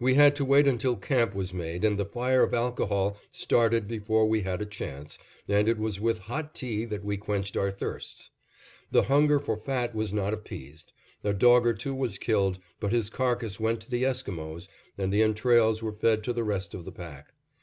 We had to wait until camp was made and the fire of alcohol started before we had a chance, and it was with hot tea that we quenched our thirsts. The hunger for fat was not appeased; a dog or two was killed, but his carcass went to the Esquimos and the entrails were fed to the rest of the pack.